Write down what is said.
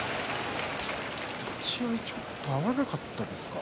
立ち合い、ちょっと合わなかったですか。